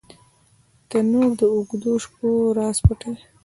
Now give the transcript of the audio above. تنور د اوږدو شپو راز پټوي